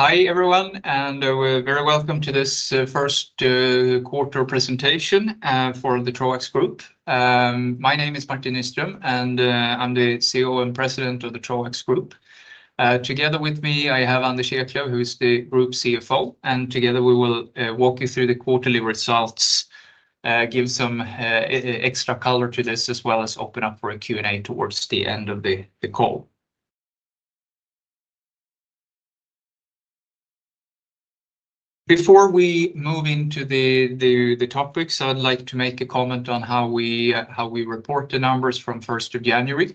Hi everyone, and we're very welcome to this first quarter presentation for the Troax Group. My name is Martin Nyström, and I'm the CEO and President of the Troax Group. Together with me, I have Anders Eklöf, who is the Group CFO, and together we will walk you through the quarterly results, give some extra color to this, as well as open up for a Q&A towards the end of the call. Before we move into the topics, I'd like to make a comment on how we report the numbers from 1st of January.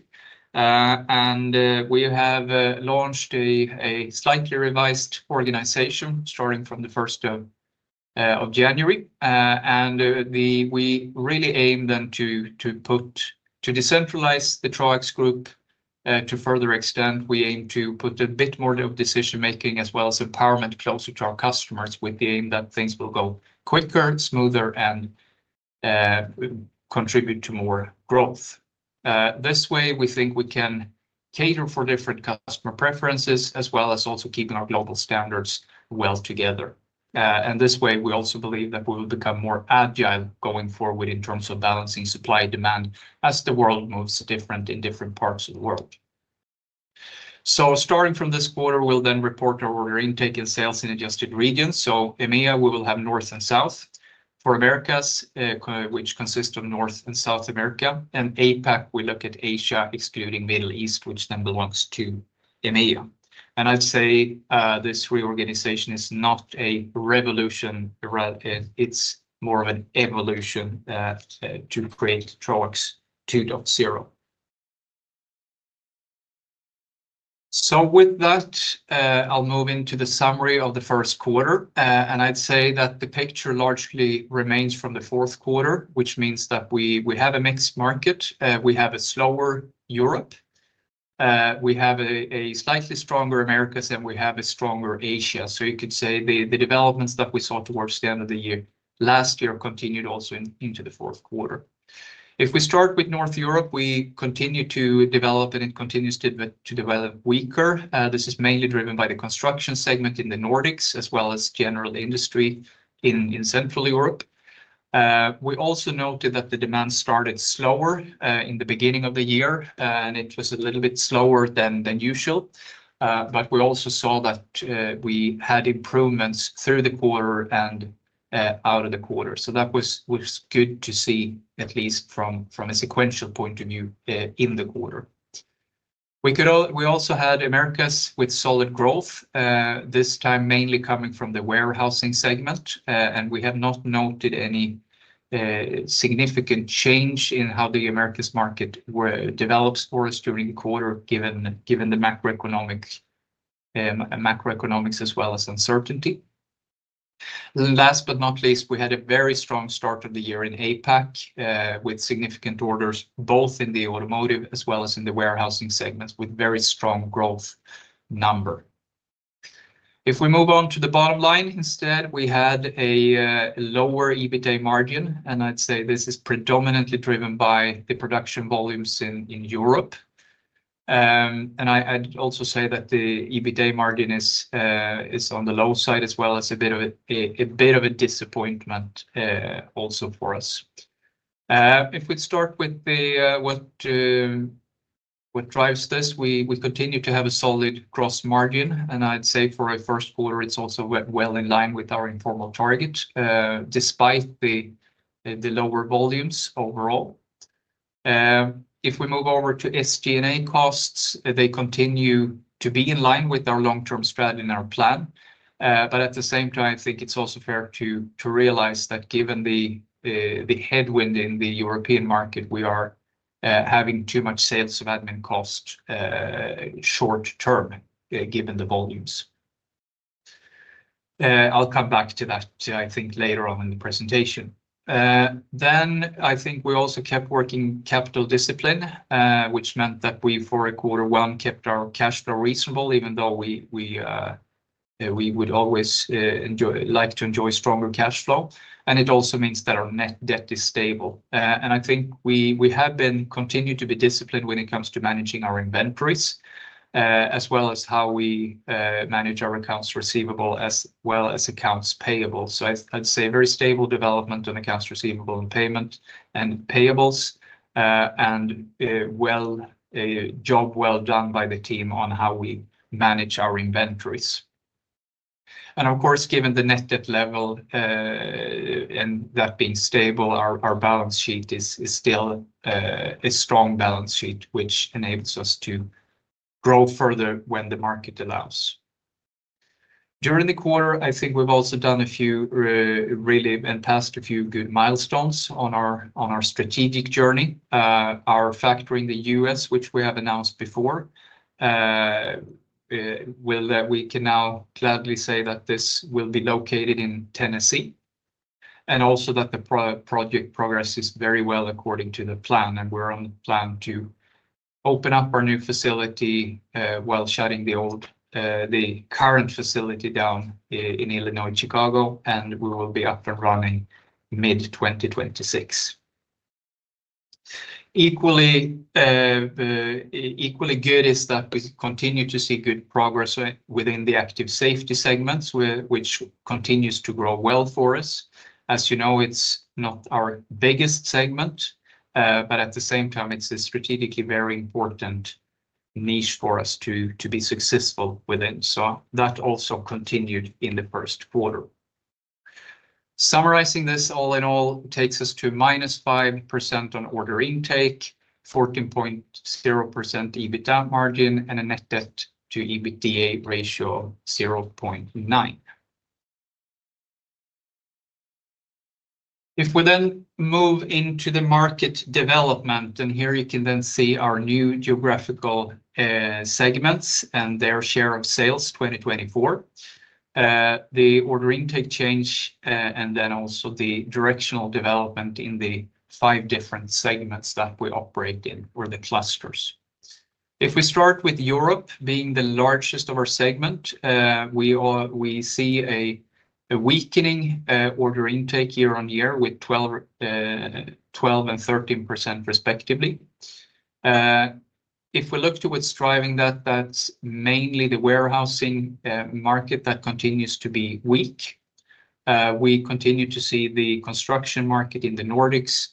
We have launched a slightly revised organization starting from the 1st of January. We really aim then to decentralize the Troax Group. To further extend, we aim to put a bit more of decision-making, as well as empowerment, closer to our customers with the aim that things will go quicker, smoother, and contribute to more growth. This way, we think we can cater for different customer preferences, as well as also keeping our global standards well together. This way, we also believe that we will become more agile going forward in terms of balancing supply and demand as the world moves different in different parts of the world. Starting from this quarter, we'll then report our order intake and sales in adjusted regions. EMEA, we will have North and South for Americas, which consists of North and South America. APAC, we look at Asia, excluding Middle East, which then belongs to EMEA. I'd say this reorganization is not a revolution; it's more of an evolution to create Troax 2.0. With that, I'll move into the summary of the first quarter. I'd say that the picture largely remains from the fourth quarter, which means that we have a mixed market. We have a slower Europe. We have a slightly stronger Americas, and we have a stronger Asia. You could say the developments that we saw towards the end of the year last year continued also into the fourth quarter. If we start with North Europe, we continue to develop, and it continues to develop weaker. This is mainly driven by the construction segment in the Nordics, as well as general industry in Central Europe. We also noted that the demand started slower in the beginning of the year, and it was a little bit slower than usual. We also saw that we had improvements through the quarter and out of the quarter. That was good to see, at least from a sequential point of view in the quarter. We also had Americas with solid growth, this time mainly coming from the warehousing segment. We have not noted any significant change in how the Americas market develops for us during the quarter, given the macroeconomics, as well as uncertainty. Last but not least, we had a very strong start of the year in APAC with significant orders, both in the automotive as well as in the warehousing segments, with very strong growth numbers. If we move on to the bottom line instead, we had a lower EBITDA margin, and I'd say this is predominantly driven by the production volumes in Europe. I'd also say that the EBITDA margin is on the low side, as well as a bit of a disappointment also for us. If we start with what drives this, we continue to have a solid gross margin, and I'd say for our first quarter, it's also well in line with our informal target, despite the lower volumes overall. If we move over to SG&A costs, they continue to be in line with our long-term strategy and our plan. At the same time, I think it's also fair to realize that given the headwind in the European market, we are having too much sales of admin cost short-term, given the volumes. I'll come back to that, I think, later on in the presentation. I think we also kept working capital discipline, which meant that we for quarter one kept our cash flow reasonable, even though we would always like to enjoy stronger cash flow. It also means that our net debt is stable. I think we have been continued to be disciplined when it comes to managing our inventories, as well as how we manage our accounts receivable, as well as accounts payable. I'd say very stable development on accounts receivable and payables, and job well done by the team on how we manage our inventories. Of course, given the net debt level and that being stable, our balance sheet is still a strong balance sheet, which enables us to grow further when the market allows. During the quarter, I think we've also done a few really and passed a few good milestones on our strategic journey. Our factory in the U.S., which we have announced before, we can now gladly say that this will be located in Tennessee. Also, the project progress is very well according to the plan, and we're on the plan to open up our new facility while shutting the current facility down in Illinois, Chicago, and we will be up and running mid-2026. Equally good is that we continue to see good progress within the Active Safety segments, which continues to grow well for us. As you know, it's not our biggest segment, but at the same time, it's a strategically very important niche for us to be successful within. That also continued in the first quarter. Summarizing this all in all, it takes us to -5% on order intake, 14.0% EBITDA margin, and a net debt to EBITDA ratio of 0.9. If we then move into the market development, here you can then see our new geographical segments and their share of sales 2024, the order intake change, and then also the directional development in the five different segments that we operate in or the clusters. If we start with Europe being the largest of our segment, we see a weakening order intake year on year with 12% and 13% respectively. If we look to what's driving that, that's mainly the warehousing market that continues to be weak. We continue to see the construction market in the Nordics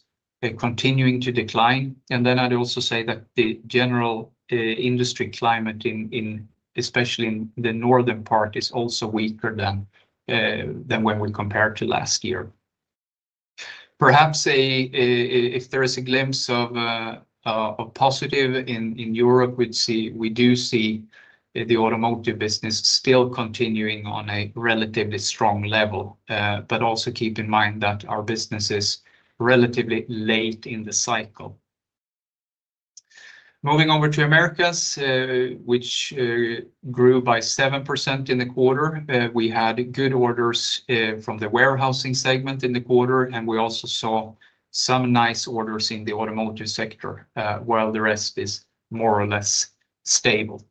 continuing to decline. I'd also say that the general industry climate, especially in the northern part, is also weaker than when we compared to last year. Perhaps if there is a glimpse of positive in Europe, we do see the automotive business still continuing on a relatively strong level, but also keep in mind that our business is relatively late in the cycle. Moving over to Americas, which grew by 7% in the quarter, we had good orders from the warehousing segment in the quarter, and we also saw some nice orders in the automotive sector, while the rest is more or less stable.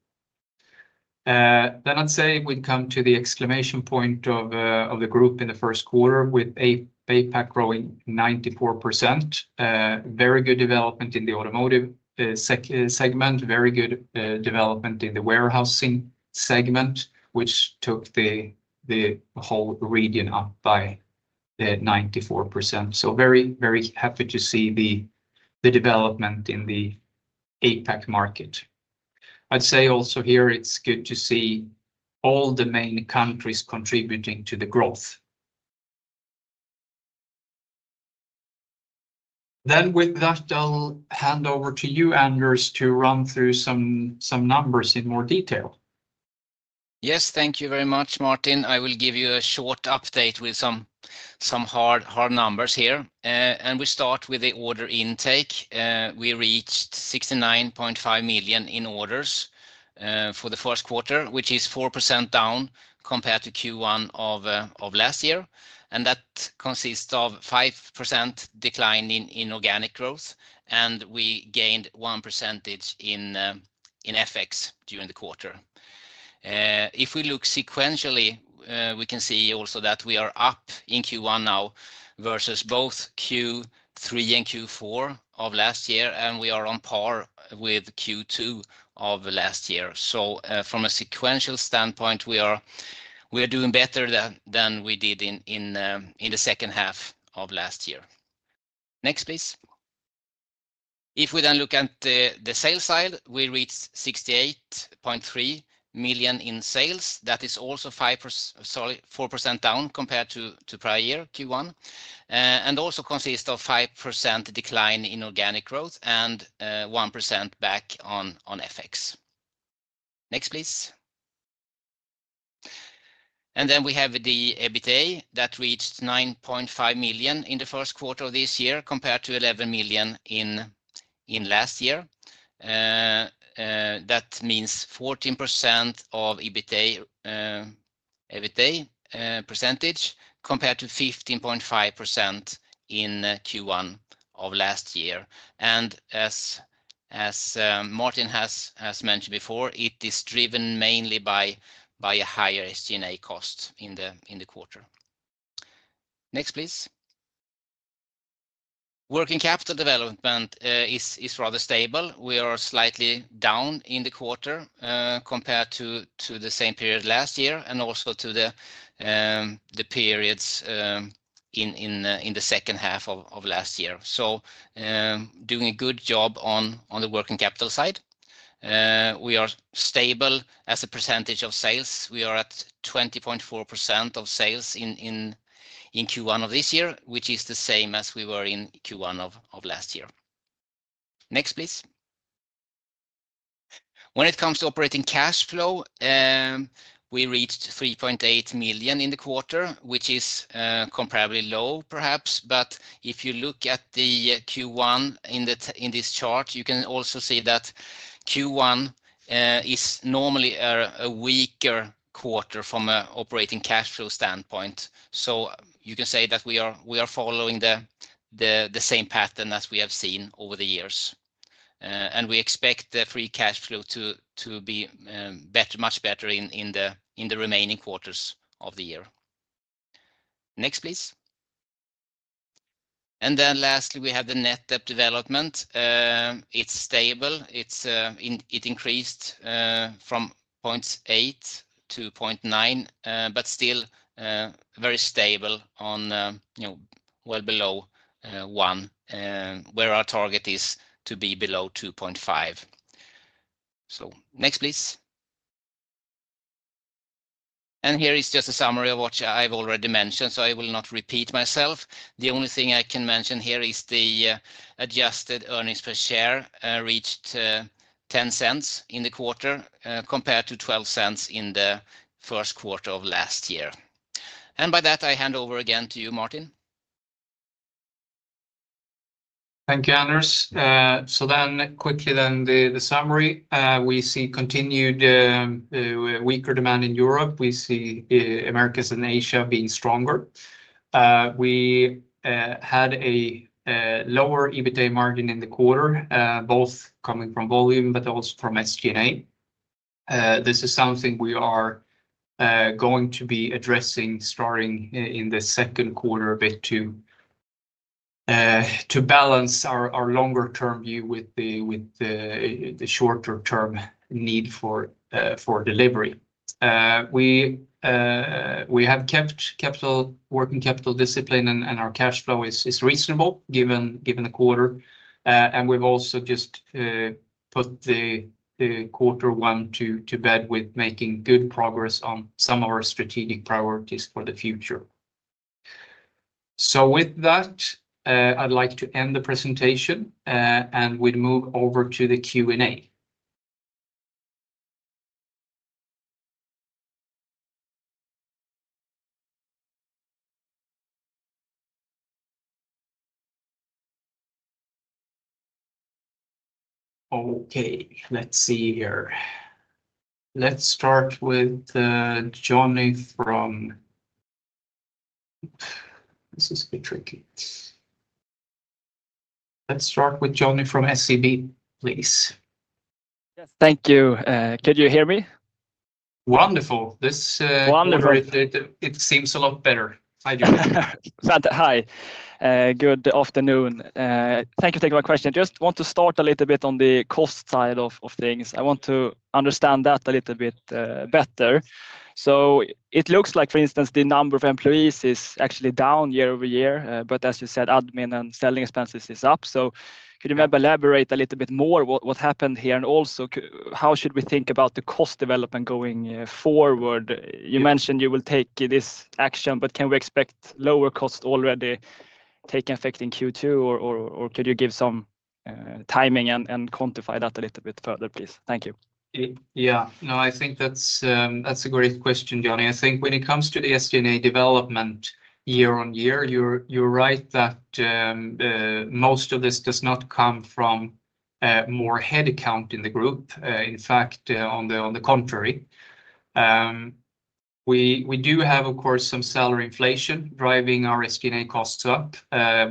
I'd say we'd come to the exclamation point of the group in the first quarter with APAC growing 94%. Very good development in the automotive segment, very good development in the warehousing segment, which took the whole region up by 94%. Very, very happy to see the development in the APAC market. I'd say also here it's good to see all the main countries contributing to the growth. With that, I'll hand over to you, Anders, to run through some numbers in more detail. Yes, thank you very much, Martin. I will give you a short update with some hard numbers here. We start with the order intake. We reached 69.5 million in orders for the first quarter, which is 4% down compared to Q1 of last year. That consists of a 5% decline in organic growth, and we gained 1% in FX during the quarter. If we look sequentially, we can see also that we are up in Q1 now versus both Q3 and Q4 of last year, and we are on par with Q2 of last year. From a sequential standpoint, we are doing better than we did in the second half of last year. Next, please. If we then look at the sales side, we reached 68.3 million in sales. That is also 4% down compared to prior year, Q1, and also consists of 5% decline in organic growth and 1% back on FX. Next, please. We have the EBITDA that reached 9.5 million in the first quarter of this year compared to 11 million in last year. That means 14% of EBITDA percentage compared to 15.5% in Q1 of last year. As Martin has mentioned before, it is driven mainly by a higher SG&A cost in the quarter. Next, please. Working capital development is rather stable. We are slightly down in the quarter compared to the same period last year and also to the periods in the second half of last year. Doing a good job on the working capital side. We are stable as a percentage of sales. We are at 20.4% of sales in Q1 of this year, which is the same as we were in Q1 of last year. Next, please. When it comes to operating cash flow, we reached 3.8 million in the quarter, which is comparably low, perhaps. If you look at the Q1 in this chart, you can also see that Q1 is normally a weaker quarter from an operating cash flow standpoint. You can say that we are following the same pattern as we have seen over the years. We expect the free cash flow to be much better in the remaining quarters of the year. Next, please. Lastly, we have the net debt development. It is stable. It increased from 0.8 to 0.9, but still very stable and well below 1, where our target is to be below 2.5. Next, please. Here is just a summary of what I've already mentioned, so I will not repeat myself. The only thing I can mention here is the adjusted earnings per share reached 0.10 in the quarter compared to 0.12 in the first quarter of last year. By that, I hand over again to you, Martin. Thank you, Anders. Quickly then the summary. We see continued weaker demand in Europe. We see Americas and Asia being stronger. We had a lower EBITDA margin in the quarter, both coming from volume but also from SG&A. This is something we are going to be addressing starting in the second quarter a bit to balance our longer-term view with the shorter-term need for delivery. We have kept working capital discipline, and our cash flow is reasonable given the quarter. We have also just put the quarter one to bed with making good progress on some of our strategic priorities for the future. With that, I'd like to end the presentation and move over to the Q&A. Okay, let's see here. Let's start with Johnny from. This is a bit tricky. Let's start with Johnny from SEB, please. Yes, thank you. Could you hear me? Wonderful. Wonderful. It seems a lot better. Hi. Good afternoon. Thank you for taking my question. I just want to start a little bit on the cost side of things. I want to understand that a little bit better. It looks like, for instance, the number of employees is actually down year-over-year, but as you said, admin and selling expenses is up. Could you maybe elaborate a little bit more what happened here? Also, how should we think about the cost development going forward? You mentioned you will take this action, but can we expect lower cost already taking effect in Q2, or could you give some timing and quantify that a little bit further, please? Thank you. Yeah, no, I think that's a great question, Johnny. I think when it comes to the SG&A development year-on-year, you're right that most of this does not come from more headcount in the group. In fact, on the contrary. We do have, of course, some salary inflation driving our SG&A costs up.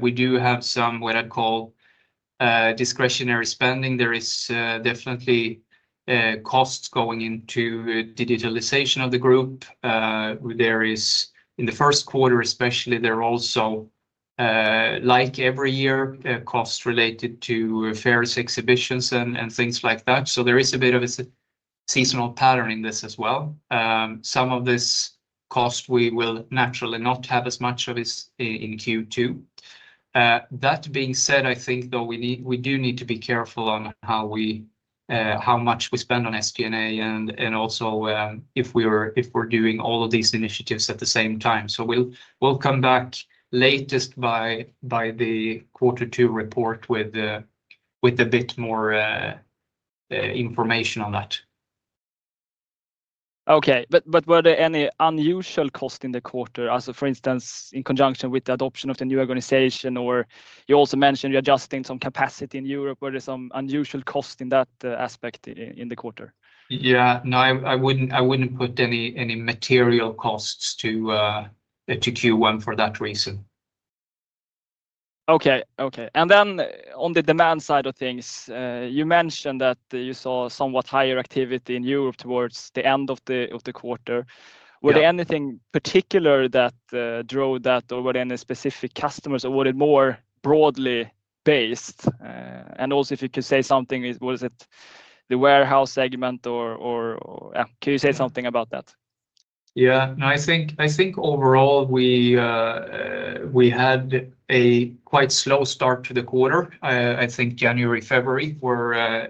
We do have some what I'd call discretionary spending. There is definitely costs going into digitalization of the group. There is, in the first quarter especially, there also, like every year, costs related to fairs, exhibitions, and things like that. There is a bit of a seasonal pattern in this as well. Some of this cost we will naturally not have as much of in Q2. That being said, I think, though, we do need to be careful on how much we spend on SG&A and also if we're doing all of these initiatives at the same time. We will come back latest by the quarter two report with a bit more information on that. Okay, were there any unusual costs in the quarter? For instance, in conjunction with the adoption of the new organization, or you also mentioned you're adjusting some capacity in Europe. Were there some unusual costs in that aspect in the quarter? Yeah, no, I wouldn't put any material costs to Q1 for that reason. Okay, okay. On the demand side of things, you mentioned that you saw somewhat higher activity in Europe towards the end of the quarter. Were there anything particular that drove that, or were there any specific customers, or were they more broadly based? Also, if you could say something, was it the warehouse segment, or can you say something about that? Yeah, no, I think overall we had a quite slow start to the quarter. I think January, February were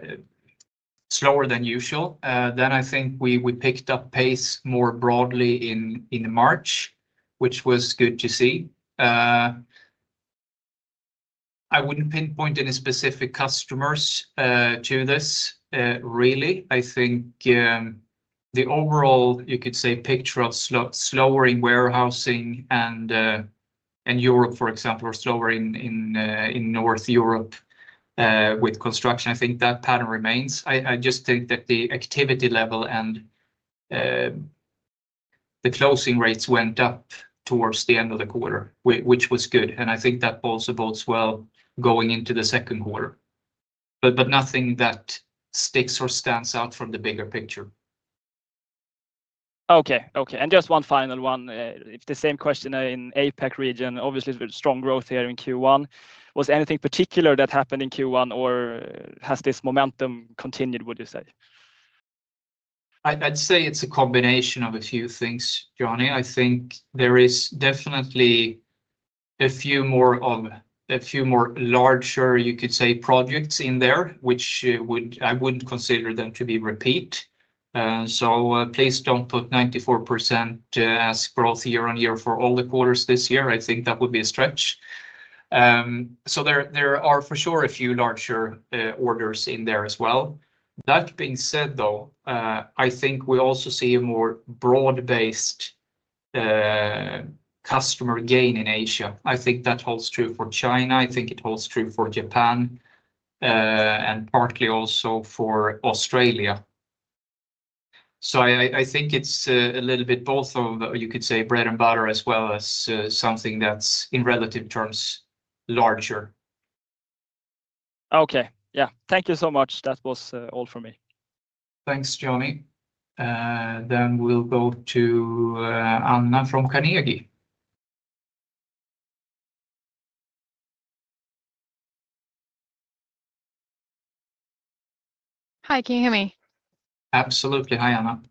slower than usual. I think we picked up pace more broadly in March, which was good to see. I would not pinpoint any specific customers to this, really. I think the overall, you could say, picture of slowing warehousing in Europe, for example, or slowing in North Europe with construction, I think that pattern remains. I just think that the activity level and the closing rates went up towards the end of the quarter, which was good. I think that also bodes well going into the second quarter, but nothing that sticks or stands out from the bigger picture. Okay, okay. Just one final one. The same question in APAC region, obviously strong growth here in Q1. Was anything particular that happened in Q1, or has this momentum continued, would you say? I'd say it's a combination of a few things, Johnny. I think there is definitely a few more larger, you could say, projects in there, which I wouldn't consider them to be repeat. Please don't put 94% as growth year-on-year for all the quarters this year. I think that would be a stretch. There are for sure a few larger orders in there as well. That being said, I think we also see a more broad-based customer gain in Asia. I think that holds true for China. I think it holds true for Japan and partly also for Australia. I think it's a little bit both of, you could say, bread and butter as well as something that's in relative terms larger. Okay, yeah. Thank you so much. That was all for me. Thanks, Johnny. We will go to Anna from Carnegie. Hi, can you hear me? Absolutely. Hi, Anna.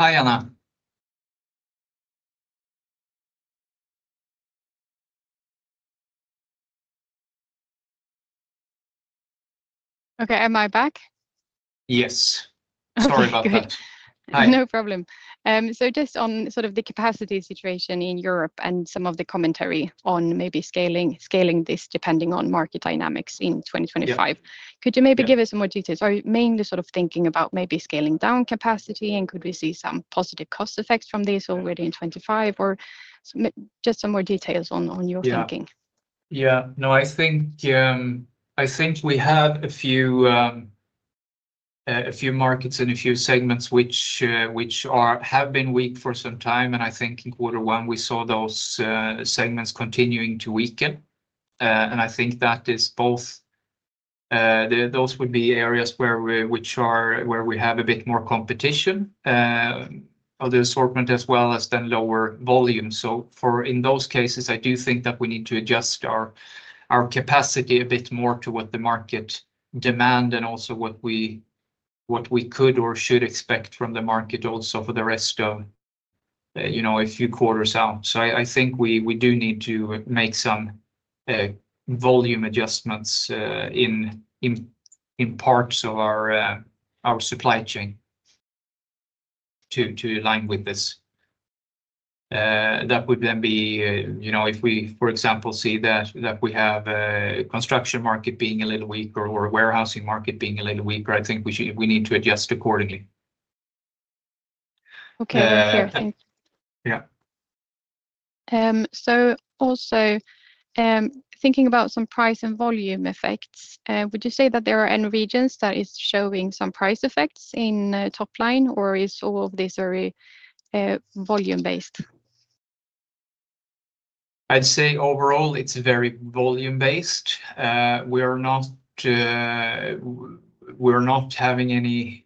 Hi, Anna. Okay, am I back? Yes. Sorry about that. No problem. Just on sort of the capacity situation in Europe and some of the commentary on maybe scaling this depending on market dynamics in 2025, could you maybe give us some more details? I'm mainly sort of thinking about maybe scaling down capacity, and could we see some positive cost effects from this already in 2025, or just some more details on your thinking? Yeah, yeah. No, I think we have a few markets and a few segments which have been weak for some time. I think in quarter one, we saw those segments continuing to weaken. I think that is both those would be areas where we have a bit more competition of the assortment as well as then lower volume. In those cases, I do think that we need to adjust our capacity a bit more to what the market demand and also what we could or should expect from the market also for the rest of a few quarters out. I think we do need to make some volume adjustments in parts of our supply chain to align with this. That would then be if we, for example, see that we have a construction market being a little weaker or a warehousing market being a little weaker, I think we need to adjust accordingly. Okay, thank you. Yeah. Also thinking about some price and volume effects, would you say that there are any regions that are showing some price effects in top line, or is all of this very volume-based? I'd say overall, it's very volume-based. We are not having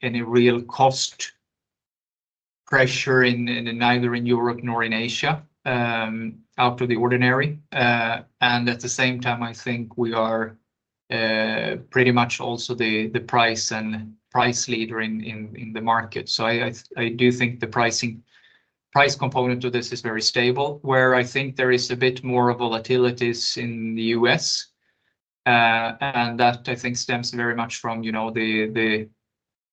any real cost pressure neither in Europe nor in Asia out of the ordinary. At the same time, I think we are pretty much also the price leader in the market. I do think the price component of this is very stable, where I think there is a bit more volatility in the U.S. That, I think, stems very much from the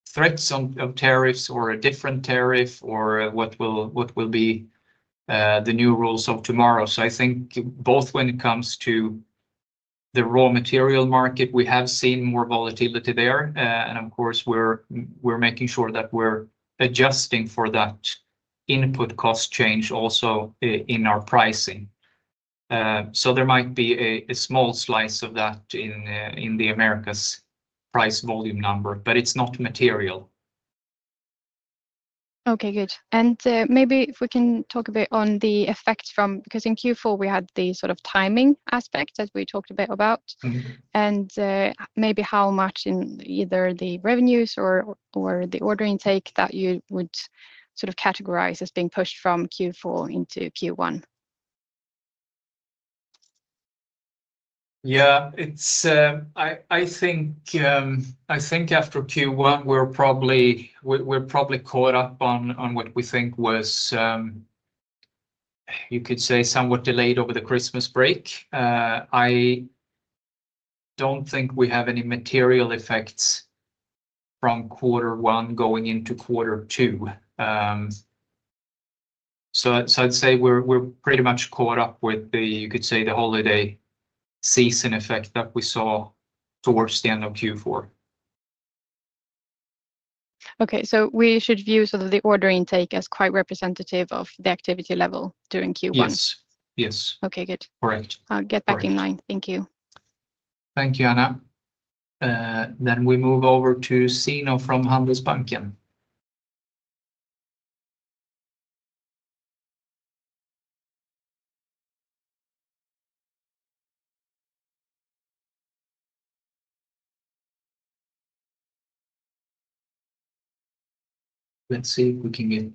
threats of tariffs or a different tariff or what will be the new rules of tomorrow. I think both when it comes to the raw material market, we have seen more volatility there. Of course, we're making sure that we're adjusting for that input cost change also in our pricing. There might be a small slice of that in the Americas price volume number, but it's not material. Okay, good. Maybe if we can talk a bit on the effect from because in Q4, we had the sort of timing aspect that we talked a bit about and maybe how much in either the revenues or the order intake that you would sort of categorize as being pushed from Q4 into Q1. Yeah, I think after Q1, we're probably caught up on what we think was, you could say, somewhat delayed over the Christmas break. I don't think we have any material effects from quarter one going into quarter two. I'd say we're pretty much caught up with the, you could say, the holiday season effect that we saw towards the end of Q4. Okay, so we should view sort of the order intake as quite representative of the activity level during Q1. Yes, yes. Okay, good. Correct. I'll get back in line. Thank you. Thank you, Anna. We move over to Sina from Handelsbanken. Let's see if we can get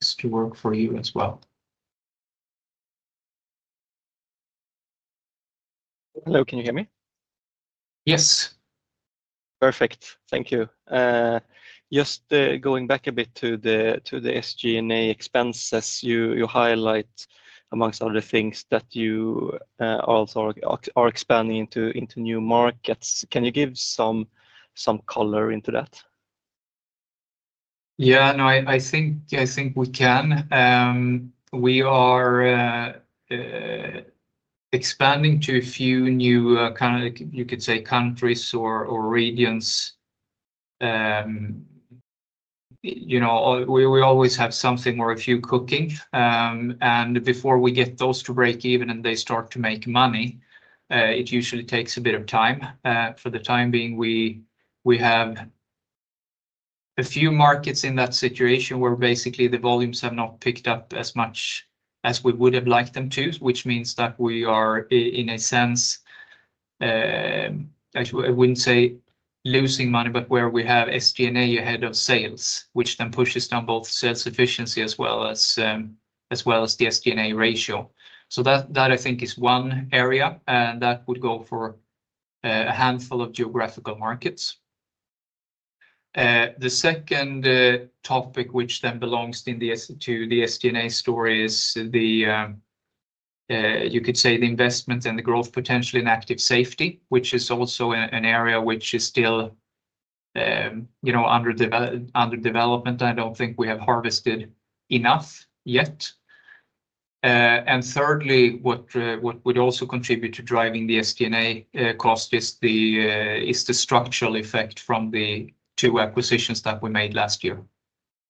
this to work for you as well. Hello, can you hear me? Yes. Perfect. Thank you. Just going back a bit to the SG&A expenses, you highlight amongst other things that you also are expanding into new markets. Can you give some color into that? Yeah, no, I think we can. We are expanding to a few new, you could say, countries or regions. We always have something or a few cooking. Before we get those to break even and they start to make money, it usually takes a bit of time. For the time being, we have a few markets in that situation where basically the volumes have not picked up as much as we would have liked them to, which means that we are, in a sense, I wouldn't say losing money, but where we have SG&A ahead of sales, which then pushes down both sales efficiency as well as the SG&A ratio. That, I think, is one area, and that would go for a handful of geographical markets. The second topic, which then belongs to the SG&A story, is the, you could say, the investment and the growth potential in Active Safety, which is also an area which is still under development. I don't think we have harvested enough yet. Thirdly, what would also contribute to driving the SG&A cost is the structural effect from the two acquisitions that we made last year,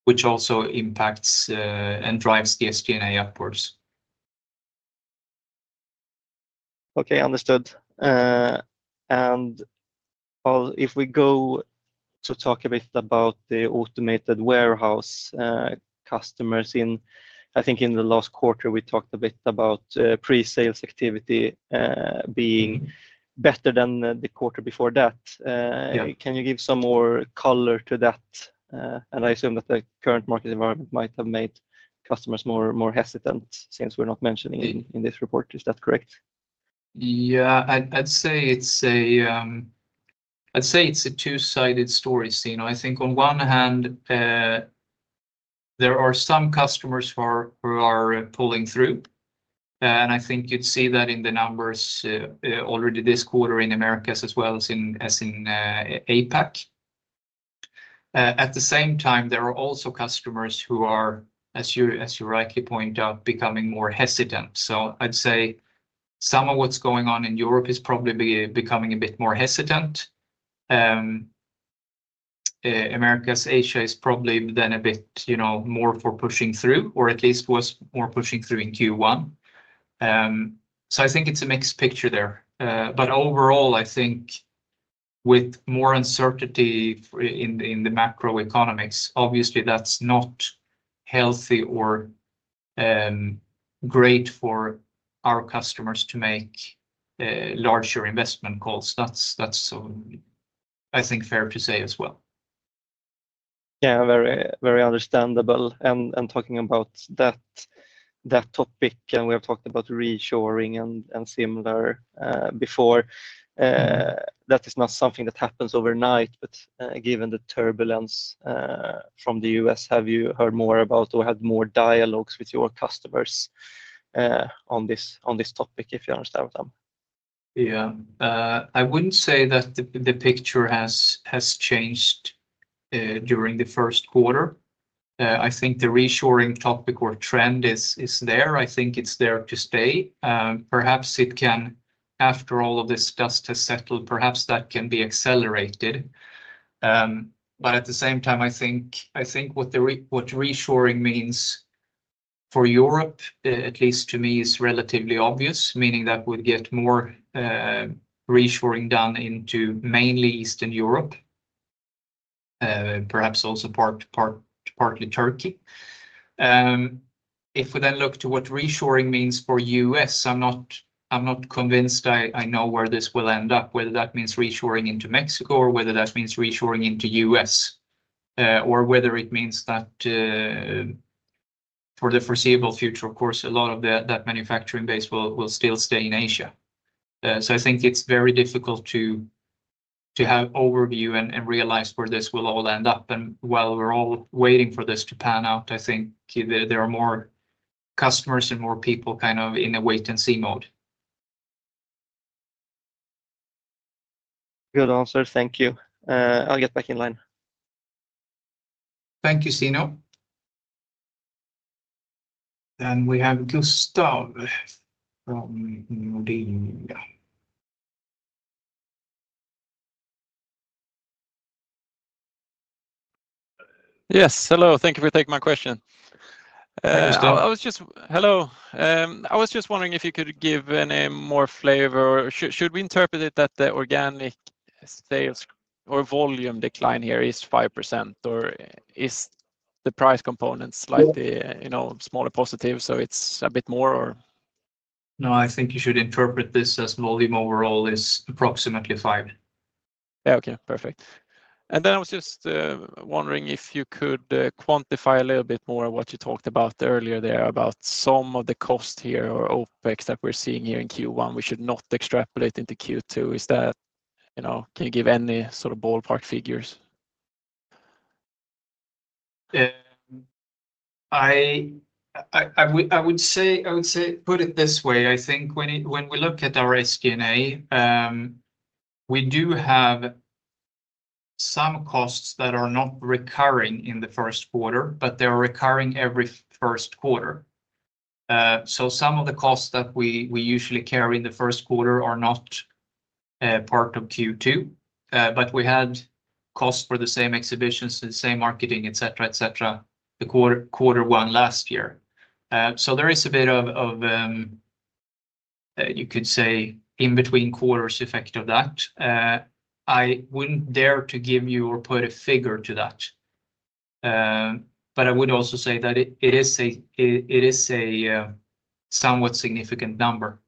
which also impacts and drives the SG&A upwards. Okay, understood. If we go to talk a bit about the automated warehouse customers, I think in the last quarter, we talked a bit about pre-sales activity being better than the quarter before that. Can you give some more color to that? I assume that the current market environment might have made customers more hesitant since we're not mentioning it in this report. Is that correct? Yeah, I'd say it's a two-sided story, Sina. I think on one hand, there are some customers who are pulling through. I think you'd see that in the numbers already this quarter in Americas as well as in APAC. At the same time, there are also customers who are, as you rightly point out, becoming more hesitant. I'd say some of what's going on in Europe is probably becoming a bit more hesitant. Americas, Asia is probably then a bit more for pushing through, or at least was more pushing through in Q1. I think it's a mixed picture there. Overall, I think with more uncertainty in the macroeconomics, obviously, that's not healthy or great for our customers to make larger investment calls. That's, I think, fair to say as well. Yeah, very understandable. Talking about that topic, we have talked about reshoring and similar before. That is not something that happens overnight, but given the turbulence from the U.S., have you heard more about or had more dialogues with your customers on this topic, if you understand what I'm saying? Yeah. I wouldn't say that the picture has changed during the first quarter. I think the reshoring topic or trend is there. I think it's there to stay. Perhaps it can, after all of this dust has settled, perhaps that can be accelerated. At the same time, I think what reshoring means for Europe, at least to me, is relatively obvious, meaning that we'd get more reshoring done into mainly Eastern Europe, perhaps also partly Turkey. If we then look to what reshoring means for the U.S., I'm not convinced I know where this will end up, whether that means reshoring into Mexico or whether that means reshoring into the U.S., or whether it means that for the foreseeable future, of course, a lot of that manufacturing base will still stay in Asia. I think it's very difficult to have overview and realize where this will all end up. While we're all waiting for this to pan out, I think there are more customers and more people kind of in a wait-and-see mode. Good answer. Thank you. I'll get back in line. Thank you, Sina. We have Gustav from Nordea. Yes, hello. Thank you for taking my question. Understood. Hello. I was just wondering if you could give any more flavor. Should we interpret it that the organic sales or volume decline here is 5%, or is the price components slightly smaller positive, so it's a bit more, or? No, I think you should interpret this as volume overall is approximately five. Okay, perfect. I was just wondering if you could quantify a little bit more what you talked about earlier there about some of the cost here or OpEx that we're seeing here in Q1. We should not extrapolate into Q2. Can you give any sort of ballpark figures? I would say, put it this way. I think when we look at our SG&A, we do have some costs that are not recurring in the first quarter, but they are recurring every first quarter. Some of the costs that we usually carry in the first quarter are not part of Q2, but we had costs for the same exhibitions, the same marketing, etc., etc., quarter one last year. There is a bit of, you could say, in-between quarters effect of that. I would not dare to give you or put a figure to that, but I would also say that it is a somewhat significant number.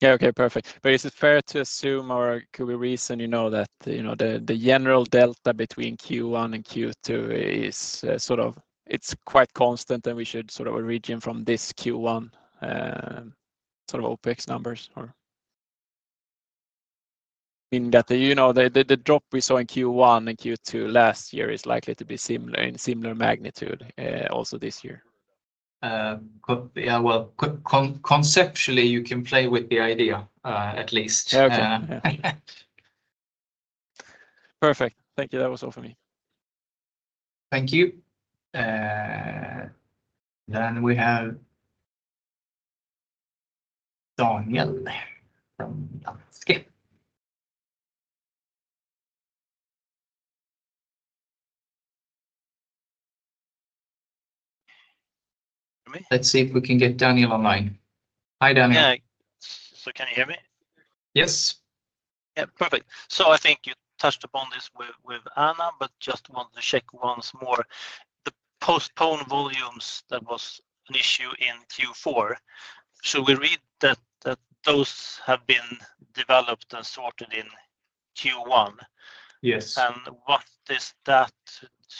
Yeah, okay, perfect. Is it fair to assume, or could we reason that the general delta between Q1 and Q2 is sort of, it's quite constant, and we should sort of origin from this Q1 sort of OpEx numbers? I mean, that the drop we saw in Q1 and Q2 last year is likely to be similar in similar magnitude also this year. Yeah, well, conceptually, you can play with the idea, at least. Perfect. Thank you. That was all for me. Thank you. We have Daniel from Danske. Let's see if we can get Daniel online. Hi, Daniel. Hi. Can you hear me? Yes. Yeah, perfect. I think you touched upon this with Anna, but just wanted to check once more. The postponed volumes, that was an issue in Q4. We read that those have been developed and sorted in Q1. Yes. What is that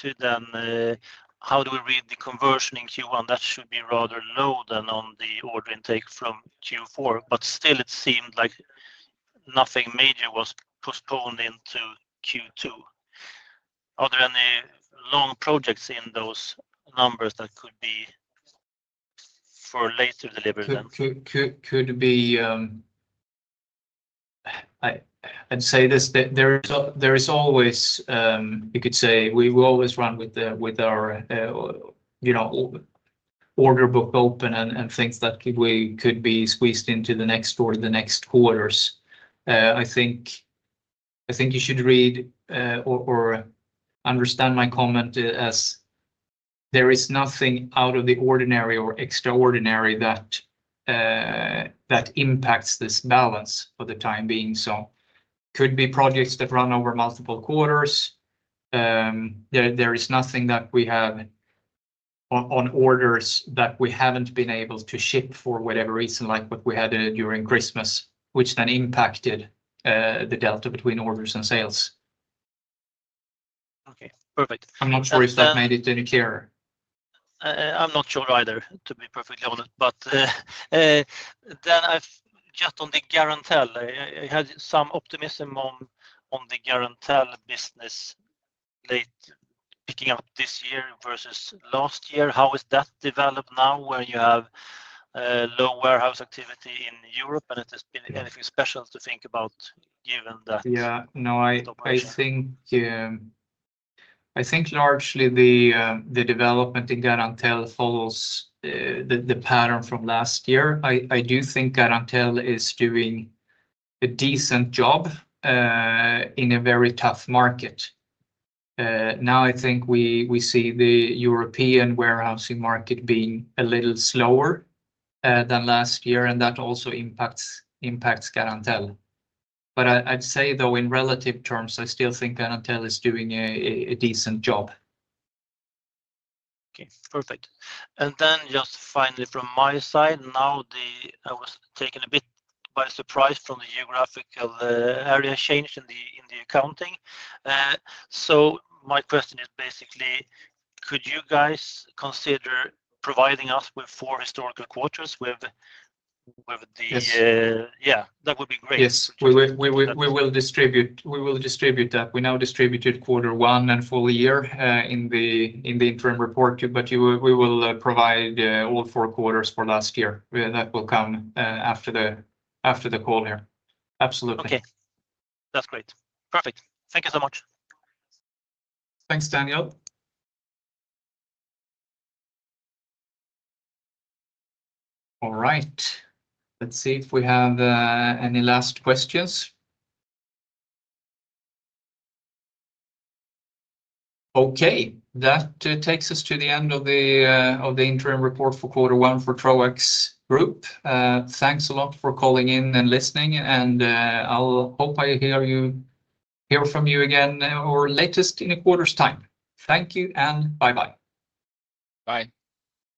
to then? How do we read the conversion in Q1? That should be rather low than on the order intake from Q4, but still, it seemed like nothing major was postponed into Q2. Are there any long projects in those numbers that could be for later delivery then? Could be. I'd say this. There is always, you could say, we will always run with our order book open and things that we could be squeezed into the next quarter or the next quarters. I think you should read or understand my comment as there is nothing out of the ordinary or extraordinary that impacts this balance for the time being. Could be projects that run over multiple quarters. There is nothing that we have on orders that we haven't been able to ship for whatever reason, like what we had during Christmas, which then impacted the delta between orders and sales. Okay, perfect. I'm not sure if that made it any clearer. I'm not sure either, to be perfectly honest. Just on the Garantell, I had some optimism on the Garantell business late picking up this year versus last year. How has that developed now when you have low warehouse activity in Europe? Has there been anything special to think about given that? Yeah, no, I think largely the development in Garantell follows the pattern from last year. I do think Garantell is doing a decent job in a very tough market. Now, I think we see the European warehousing market being a little slower than last year, and that also impacts Garantell. I would say, though, in relative terms, I still think Garantell is doing a decent job. Okay, perfect. Finally from my side, I was taken a bit by surprise from the geographical area change in the accounting. My question is basically, could you guys consider providing us with four historical quarters with that? Yes. Yeah, that would be great. Yes, we will distribute. We will distribute that. We now distributed quarter one and full year in the interim report, but we will provide all four quarters for last year. That will come after the call here. Absolutely. Okay, that's great. Perfect. Thank you so much. Thanks, Daniel. All right. Let's see if we have any last questions. Okay, that takes us to the end of the interim report for quarter one for Troax Group. Thanks a lot for calling in and listening, and I'll hope I hear from you again or latest in a quarter's time. Thank you and bye-bye. Bye.